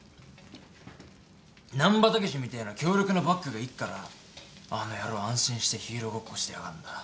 難破猛みてえな強力なバックがいっからあの野郎安心してヒーローごっこしてやがんだ。